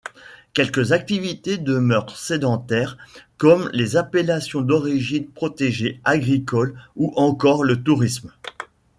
Quelques activités demeurent sédentaires comme les appellations d'origine protégée agricoles ou encore le tourisme.